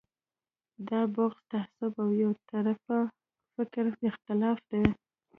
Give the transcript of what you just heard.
دا بغض، تعصب او یو طرفه فکري اختلاف دی.